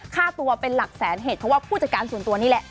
ค่าตัวเป็นหลักแสนเหตุเพราะว่าผู้จัดการส่วนตัวนี่แหละ